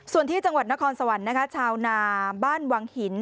ส่วนที่จังหวัดนครสวรรค์นะคะชาวนาบ้านวังหิน